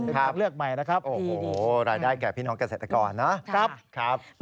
ทางเลือกใหม่นะครับโอ้โหรายได้แก่พี่น้องเกษตรกรนะครับ